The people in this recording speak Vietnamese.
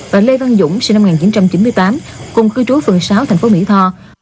và lê văn dũng sinh năm một nghìn chín trăm chín mươi tám cùng cư trú phường sáu thành phố mỹ tho